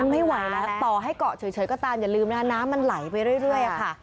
ไม่ไหวแล้วต่อให้เกาะเฉยก็ตามอย่าลืมนะคะน้ำมันไหลไปเรื่อยค่ะ